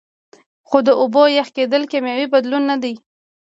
خو د اوبو یخ کیدل کیمیاوي بدلون نه دی